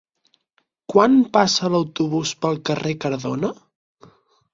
Quan passa l'autobús pel carrer Cardona?